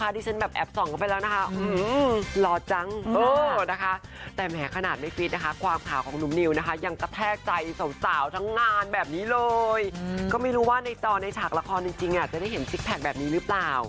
ที่เห็นมันไม่ค่อยฟิตเลยนะ